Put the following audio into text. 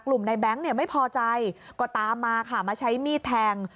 กลุ่มในแบงค์ไม่พอใจก็ตามมามาใช้มีดแทง